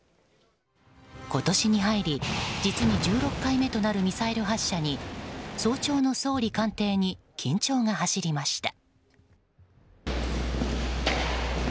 今年に入り、実に１６回目となるミサイル発射に早朝の総理官邸に緊張が走りました。